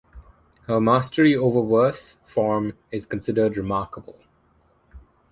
Her mastery over verse form is considered remarkable.